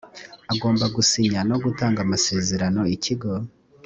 agomba gusinya no gutanga amasezerano ikigo